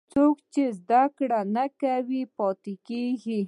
څوک چې زده کړه نه کوي، پاتې کېږي.